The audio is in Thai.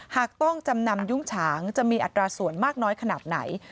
หากต้องจำนำยุ้งฉางจะมีอัตราส่วนมากน้อยขนาดไหน